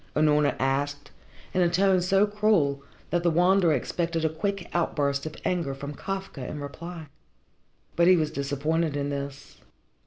Unorna asked, in a tone so cruel, that the Wanderer expected a quick outburst of anger from Kafka, in reply. But he was disappointed in this.